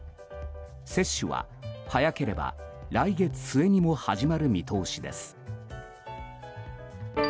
接種は早ければ来月末にも始まる見通しです。